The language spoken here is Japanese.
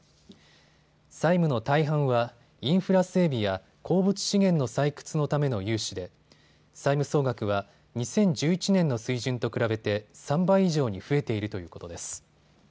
債務の大半はインフラ整備や鉱物資源の採掘のための融資で債務総額は２０１１年の水準と比べて３倍以上に増えているということです。